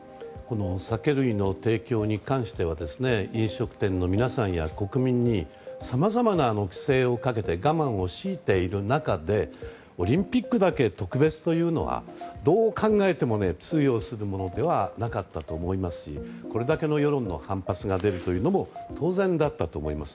酒類の提供に関しては飲食店の皆さんや国民にさまざまな規制をかけて我慢を強いている中でオリンピックだけ特別というのはどう考えても通用するものではなかったと思いますしこれだけの世論の反発が出るということも当然だったと思います。